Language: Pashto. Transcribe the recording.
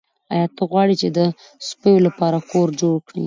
ایا ته غواړې چې د سپیو لپاره کور جوړ کړې